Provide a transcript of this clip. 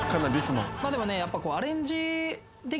でもねやっぱ。